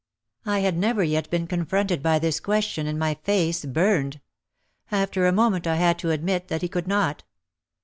I had never yet been confronted by this question and my face burned. After a moment I had to admit that he could not.